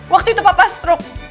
waktu itu papa struk